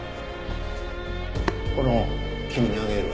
この本君にあげるわ。